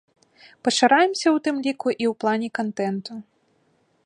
Пашыраемся ў тым ліку і ў плане кантэнту.